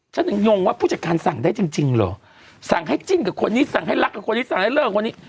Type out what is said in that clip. ฉันถึงยงว่าผู้จัดการสั่งได้จริงจริงเหรอสั่งให้จิ้นกับคนนี้สั่งให้รักกับคนที่สั่งให้เลิกวันนี้